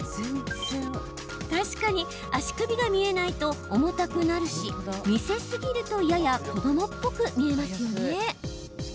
確かに足首が見えないと重たくなるし見せすぎるとやや子どもっぽく見えますよね？